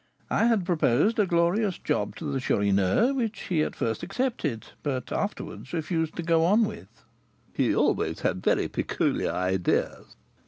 I had proposed a glorious job to the Chourineur, which he at first accepted, but afterwards refused to go on with." "He always had very peculiar ideas."